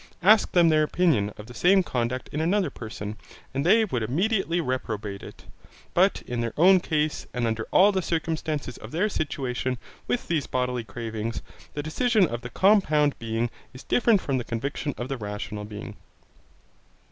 Ask them their opinion of the same conduct in another person, and they would immediately reprobate it. But in their own case, and under all the circumstances of their situation with these bodily cravings, the decision of the compound being is different from the conviction of the rational being.